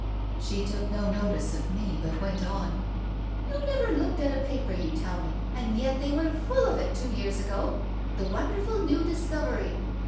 She took no notice of me, but went on — "You never looked at a paper, you tell me, and yet they were full of it two years ago — the wonderful new discovery.